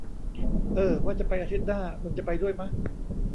เอ้อ ว่าจะไปอาทิตย์หน้า มึงจะไปด้วยมะ